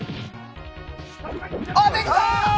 あ、できた！